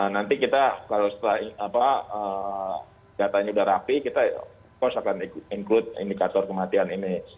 nanti kita kalau datanya udah rapi kita harus akan include indikator kematian ini